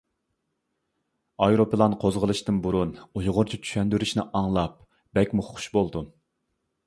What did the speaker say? ئايروپىلان قوزغىلىشتىن بۇرۇن ئۇيغۇرچە چۈشەندۈرۈشنى ئاڭلاپ بەكمۇ خوش بولدۇم.